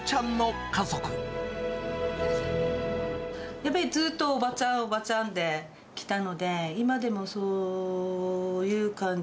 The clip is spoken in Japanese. やっぱり、ずっと、おばちゃん、おばちゃんできたので、今でも、そういう感じ。